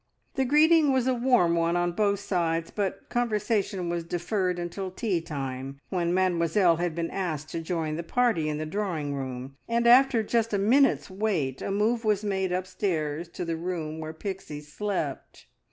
The greeting was a warm one on both sides, but conversation was deferred until tea time, when Mademoiselle had been asked to join the party in the drawing room, and after just a minute's wait a move was made upstairs to the room where Pixie slept.